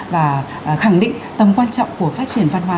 và khẳng định tầm quan trọng của phát triển văn hóa